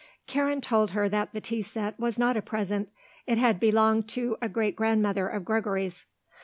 Karen told her that the tea set was not a present; it had belonged to a great grandmother of Gregory's.